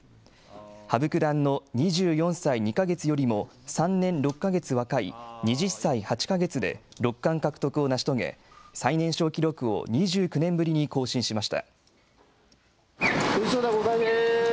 羽生九段の２４歳２か月よりも３年６か月若い２０歳８か月で六冠獲得を成し遂げ、最年少記録を２９年ぶりに更新しました。